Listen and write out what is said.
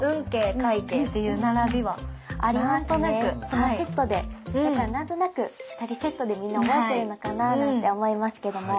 そのセットでだから何となく２人セットでみんな覚えてるのかななんて思いますけども。